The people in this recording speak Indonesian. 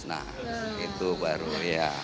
nah itu baru ya